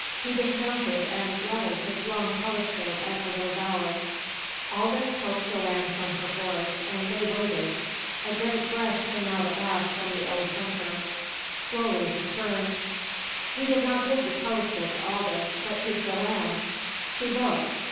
He dismounted and levelled his long telescope at the little valley. Aldous helped Joanne from her horse, and they waited. A great breath came at last from the old hunter. Slowly he turned. He did not give the telescope to Aldous, but to Joanne. She looked.